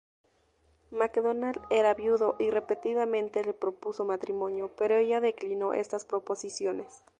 MacDonald era viudo y repetidamente le propuso matrimonio, pero ella declinó estas proposiciones.